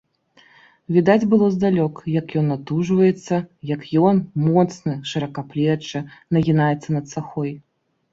Відаць было здалёк, як ён натужваецца, як ён, моцны, шыракаплечы, нагінаецца над сахой.